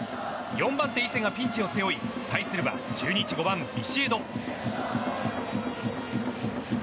４番手、伊勢がピンチを背負い対するは中日５番、ビシエド。